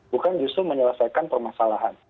bukan justru menyelesaikan permasalahan